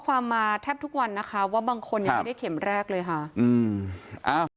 ความมาแทบทุกวันนะคะว่าบางคนที่ได้เข็มแรกเลยค่ะ